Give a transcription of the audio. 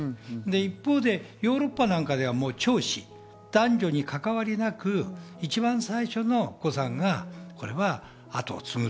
一方でヨーロッパなんかでは、もう長子、男女に関わりなく、一番最初のお子さんが後を継ぐ。